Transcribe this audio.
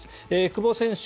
久保選手